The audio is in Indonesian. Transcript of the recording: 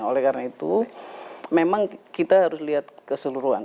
oleh karena itu memang kita harus lihat keseluruhan